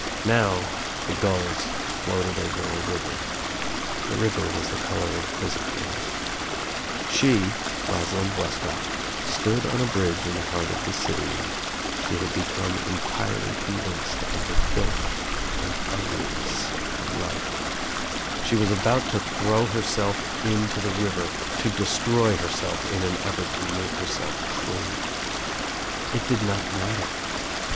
Now the gulls floated over a river. The river was the color of chrysoprasc. She, Rosalind Wcscott, stood on a bridge In the heart of the city and she had become entirely convinced of the filth and ugliness of 256 THE TRIUMPH OF THE EGG [ life. She was about to throw herself into the river, to ' destroy herself in an effort to make herself clean. It did not matter.